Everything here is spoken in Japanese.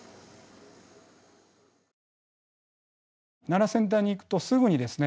奈良先端に行くとすぐにですね